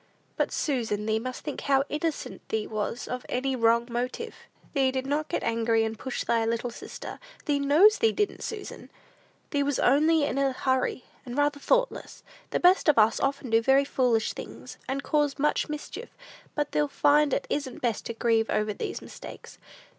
"But, Susan, thee must think how innocent thee was of any wrong motive. Thee did not get angry, and push thy little sister, thee knows thee didn't, Susan! Thee was only in a hurry, and rather thoughtless. The best of us often do very foolish things, and cause much mischief; but thee'll find it isn't best to grieve over these mistakes.